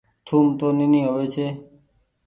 ٿوم تو نيني هووي ڇي۔